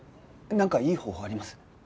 なんかいい方法あります？